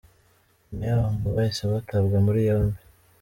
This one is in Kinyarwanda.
Nyuma y’aho ngo bahise batabwa muri yombi.